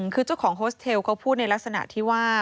คือเจ้าของโฮสเทลเขาพูดในลักษณะที่ว่า